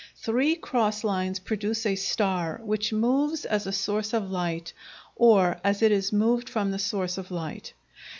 Three cross lines produce a star which moves as a source of light, or as it is moved from the source of light.